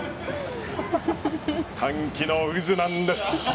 歓喜の渦なんです！